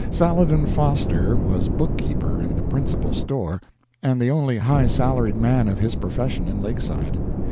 Saladin Foster was book keeper in the principal store, and the only high salaried man of his profession in Lakeside.